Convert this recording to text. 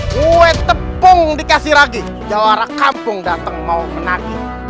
gue tepung dikasih lagi jawara kampung datang mau menang